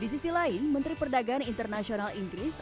di sisi lain menteri perdagangan internasional inggris